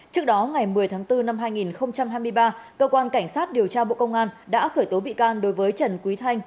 trước đó ngày một mươi tháng bốn năm hai nghìn hai mươi ba cơ quan cảnh sát điều tra bộ công an đã khởi tố bị can đối với trần quý thanh